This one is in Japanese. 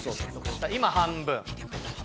今半分。